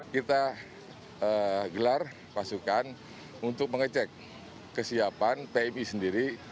kita gelar pasukan untuk mengecek kesiapan pmi sendiri